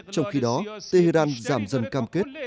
trong khi đó tehran giảm dân cam kết